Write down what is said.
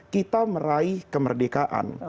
kita meraih kemerdekaan